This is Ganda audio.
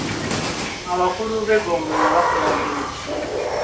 Abakulu b'eggombolola bakola mulimu ki?